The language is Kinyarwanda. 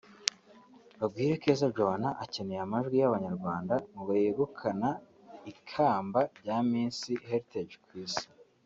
Bagwire Keza Joannah akeneye amajwi y’Abanyarwanda ngo yegukana ikamba rya Miss Hertage ku isi